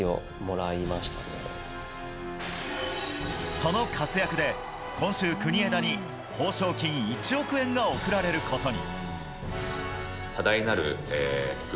その活躍で今週、国枝に報奨金１億円が贈られることに。